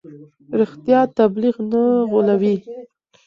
رښتیا تبلیغ نه غولوي.